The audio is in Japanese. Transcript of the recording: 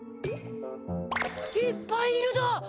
いっぱいいるだ。